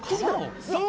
そう！